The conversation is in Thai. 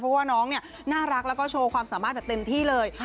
เพราะว่าน้องเนี่ยน่ารักแล้วก็โชว์ความสามารถแบบเต็มที่เลย